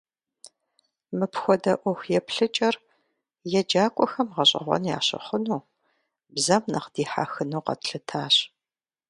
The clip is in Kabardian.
Мыпхуэдэ ӏуэху еплъыкӏэр еджакӀуэхэм гъэщӀэгъуэн ящыхъуну, бзэм нэхъ дихьэхыну къэтлъытащ.